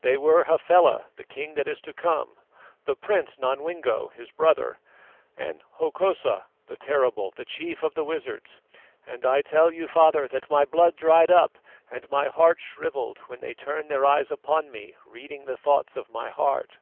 They were Hafela, the king that is to come, the prince Nodwengo, his brother, and Hokosa the terrible, the chief of the wizards; and I tell you, father, that my blood dried up and my heart shrivelled when they turned their eyes upon me, reading the thoughts of my heart."